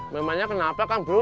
memangnya kenapa kang bro